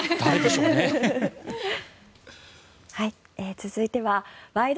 続いては「ワイド！